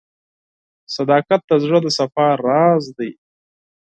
• صداقت د زړه د صفا راز دی.